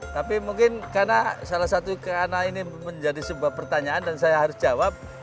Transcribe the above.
tapi mungkin karena salah satu karena ini menjadi sebuah pertanyaan dan saya harus jawab